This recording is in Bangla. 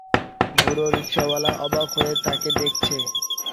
বুড়ো রিকশাওয়ালা অবাক হয়ে তাঁকে দেখছে।